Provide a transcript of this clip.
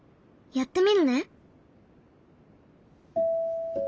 やってみるね！